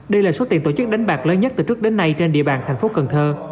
đây là số tiền tổ chức đánh bạc lớn nhất từ trước đến nay trên địa bàn thành phố cần thơ